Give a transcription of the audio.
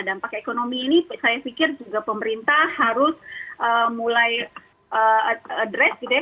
dampak ekonomi ini saya pikir juga pemerintah harus mulai address gitu ya